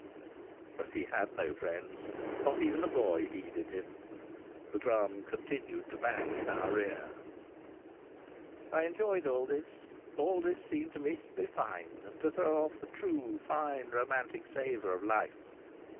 But he had no friends; not even a boy heeded him. The drum continued to bang in our rear. I enjoyed all this. All this seemed to me to be fine, seemed to throw off the true, fine, romantic savour of life.